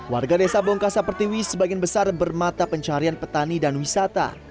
warga desa bongkasa pertiwi sebagian besar bermata pencarian petani dan wisata